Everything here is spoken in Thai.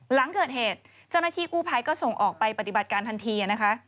หลังเกิดเหตุเจ้าหน้าที่กู้ภัยก็ส่งออกไปปฏิบัติการทันทีนะคะ